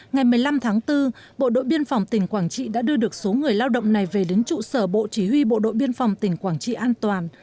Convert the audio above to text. ngày một mươi năm tháng bốn bộ đội biên phòng tỉnh quảng trị đã đưa được số người lao động này về đến trụ sở bộ chỉ huy bộ đội biên phòng tỉnh quảng trị an toàn